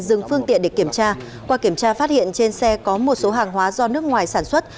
dừng phương tiện để kiểm tra qua kiểm tra phát hiện trên xe có một số hàng hóa do nước ngoài sản xuất